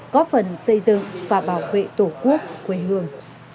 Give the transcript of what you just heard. góp phần xây dựng và bảo vệ tổ quốc quê hương